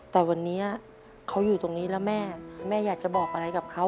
แต่วันนี้เขาอยู่ตรงนี้แล้วแม่แม่อยากจะบอกอะไรกับเขา